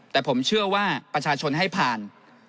แต่ผมเชื่อว่าประชาชนให้ผ่าน